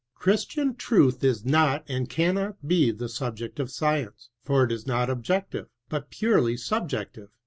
Christian truth is not and cannot be the subject of science, for it is not objective, but purely subjective.